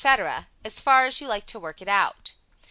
as far as you like to work it out.